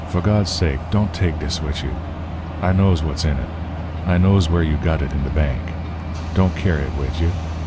"For Gawd's sake, don' take dis wid you. I knows what's in it. I knows where you got it in de bank. Don' kyar' it wid you.